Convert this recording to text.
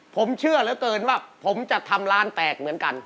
ผมเชื่อเหลือเกินว่าผมจะทำร้านแตกเหมือนกัน